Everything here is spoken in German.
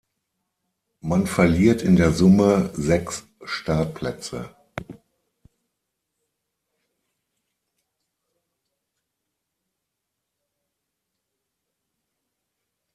Man verliert in der Summe sechs Startplätze.